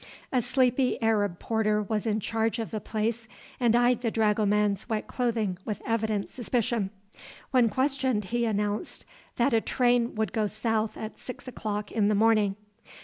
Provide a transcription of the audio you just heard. A sleepy Arab porter was in charge of the place and eyed the dragoman's wet clothing with evident suspicion. When questioned, he announced that a train would go south at six o'clock in the morning.